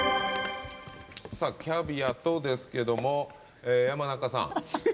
キャビアとですけども山中さん。